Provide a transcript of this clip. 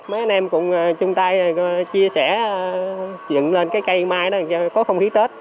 mấy anh em cũng chung tay chia sẻ dựng lên cái cây mai đó cho có không khí tết